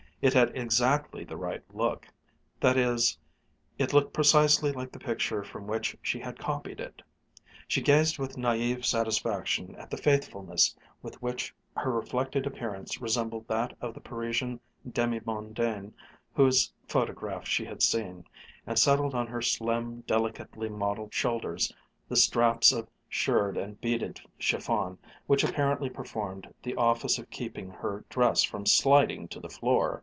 It had exactly the right look that is, it looked precisely like the picture from which she had copied it. She gazed with naïve satisfaction at the faithfulness with which her reflected appearance resembled that of the Parisian demi mondaine whose photograph she had seen, and settled on her slim, delicately modeled shoulders the straps of shirred and beaded chiffon which apparently performed the office of keeping her dress from sliding to the floor.